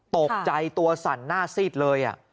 ตกใจตัวสั่นหน้าซีดเลย